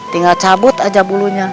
tinggal cabut aja bulunya